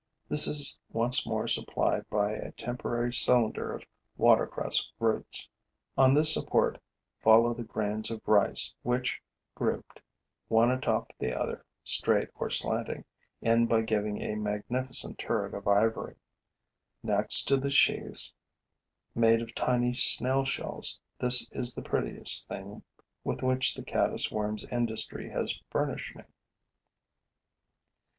This is once more supplied by a temporary cylinder of watercress roots. On this support follow the grains of rice, which, grouped one atop the other, straight or slanting, end by giving a magnificent turret of ivory. Next to the sheaths made of tiny snail shells, this is the prettiest thing with which the caddis worm's industry has furnished me.